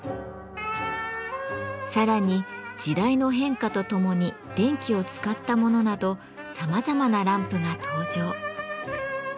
さらに時代の変化とともに電気を使ったものなどさまざまなランプが登場。